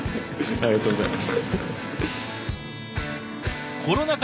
ありがとうございます。